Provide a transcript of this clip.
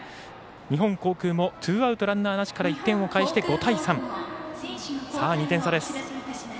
日本航空もツーアウトランナーなしから、１点を返して５対３、２点差です。